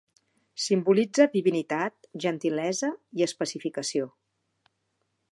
Simbolitza divinitat, gentilesa i especificació.